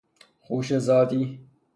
خوشه زادی